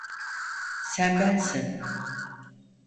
Sen bensin.